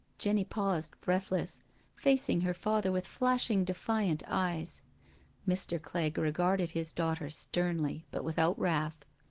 Jenny paused, breathless, facing her father with flashing, defiant eyes. Mr. Clegg regarded his daugh ter sternly, but without wrath.